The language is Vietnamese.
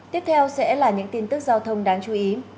tiếp theo sẽ là những tin tức giao thông đáng chú ý